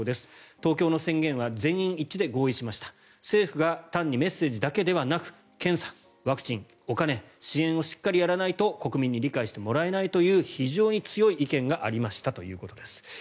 東京の宣言は全員一致で合意しました政府が単にメッセージだけでなく検査、ワクチン、お金支援をしっかりやらないと国民に理解してもらえないという非常に強い意見がありましたということです。